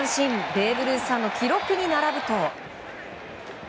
ベーブ・ルースさんの記録に並ぶと。